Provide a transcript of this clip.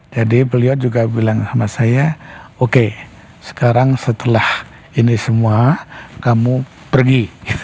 jadi beliau juga bilang sama saya oke sekarang setelah ini semua kamu pergi